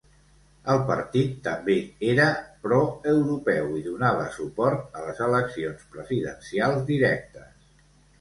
El partit també era proeuropeu i donava suport a les eleccions presidencials directes.